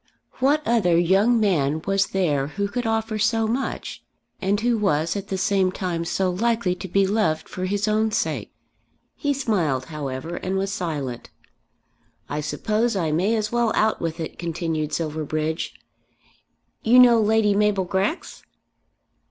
What other young man was there who could offer so much, and who was at the same time so likely to be loved for his own sake? He smiled however and was silent. "I suppose I may as well out with it," continued Silverbridge. "You know Lady Mabel Grex?"